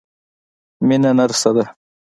مينه نرسه ده.